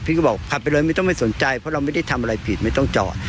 พี่ก็บอกขับไปเลยไม่ต้องไม่สนใจเพราะเราไม่ได้ทำอะไรผิดไม่ต้องจอด